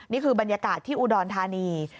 นี่คือบรรยากาศที่อุดรธานี